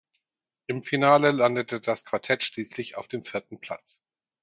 Im Finale landete das Quartett schließlich auf dem vierten Platz.